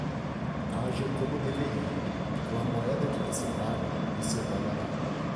Aja como deveria, com a moeda que você paga, você pagará.